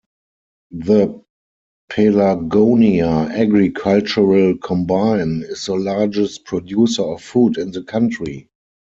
The Pelagonia agricultural combine is the largest producer of food in the country.